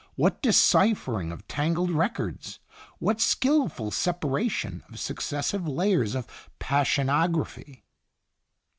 What deciphering of tangled records! What skillful separation of successive layers of 'passionography!'"